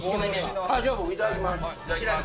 じゃあいただきます。